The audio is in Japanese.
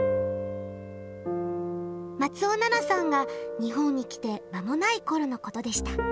松尾奈奈さんが日本に来て間もないころのことでした。